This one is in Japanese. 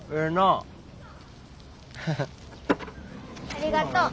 ありがとう。